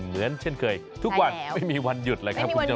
เหมือนเช่นเคยทุกวันไม่มีวันหยุดเลยครับคุณผู้ชม